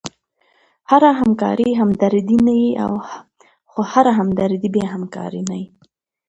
هره همکاري همدردي نه يي؛ خو هره همدردي بیا همکاري يي.